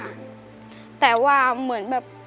เพลงที่สองเพลงมาครับ